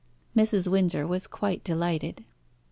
Mrs. Windsor was quite delighted.